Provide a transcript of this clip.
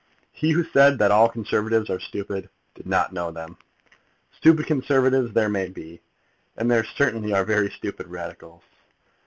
He who said that all Conservatives are stupid did not know them. Stupid Conservatives there may be, and there certainly are very stupid Radicals.